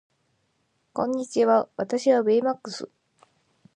こんにちは私はベイマックス